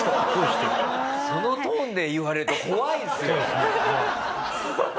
そのトーンで言われると怖いっすよ。